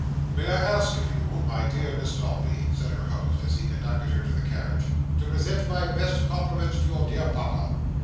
"May I beg of you, my dear Miss Dombey," said her host, as he conducted her to the carriage, "to present my best compliments to your dear Papa?"